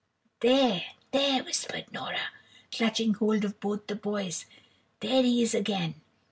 "There, there," whispered Nora, clutching hold of both the boys, "there he is again!"